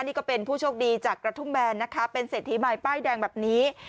นี้ก็เป็นผู้โชคดีจากกระทุ่มแบนเป็นเสร็จทีมายใป้แดงแบบนี้